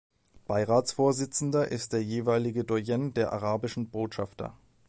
Beiratsvorsitzender ist der jeweilige Doyen der arabischen Botschafter.